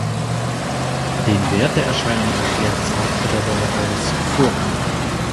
Den Wert der Erscheinung erklärt Sartre dabei als vorrangig.